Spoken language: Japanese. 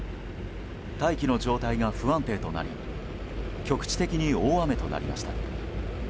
大気の状態が不安定となり局地的に大雨となりました。